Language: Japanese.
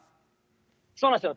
そうなんですよ。